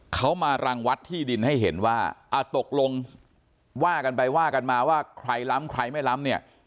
เขามารังวัดที่ดินให้เห็นว่าตกลงว่ากันไปว่ากันมาว่าใครล้ำใครไม่ล้ำเนี่ย